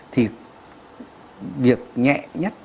thì việc nhẹ nhất